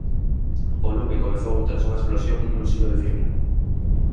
O lume comezou tras unha explosión nun silo de fibra.